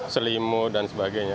selimut dan sebagainya